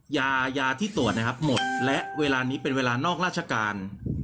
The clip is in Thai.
ยายาที่ตรวจนะครับหมดและเวลานี้เป็นเวลานอกราชการ